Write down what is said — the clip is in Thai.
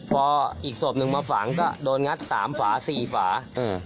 พออีกศพหนึ่งมาฝังก็โดนงัดสามฝาสี่ฝาเออ